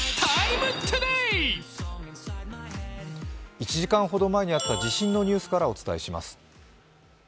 １時間ほど前にあった地震のニュースからお伝えします。